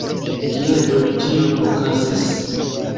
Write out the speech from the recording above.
Kiel do tio okazis?